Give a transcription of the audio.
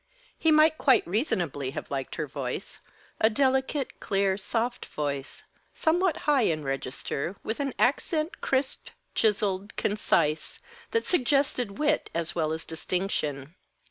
He might quite reasonably have liked her voice, a delicate, clear, soft voice, somewhat high in register, with an accent, crisp, chiselled, concise, that suggested wit as well as distinction.